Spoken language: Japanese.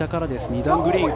２段グリーン。